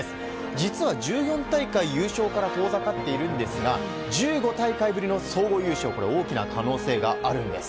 実は１４大会、優勝から遠ざかっているんですが１５大会ぶりの総合優勝も大きな可能性があるんです。